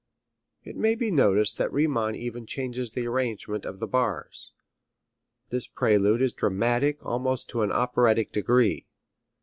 It may be noticed that Riemann even changes the arrangement of the bars. This prelude is dramatic almost to an operatic degree.